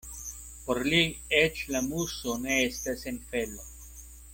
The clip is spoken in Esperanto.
Por li eĉ la muso ne estas sen felo.